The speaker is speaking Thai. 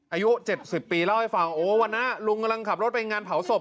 อายุ๗๐ปีเล่าให้ฟังโอ้วันนั้นลุงกำลังขับรถไปงานเผาศพ